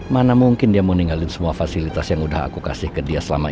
mana mungkin dia mau ninggalin semua fasilitas yang udah aku kasih ke dia selama ini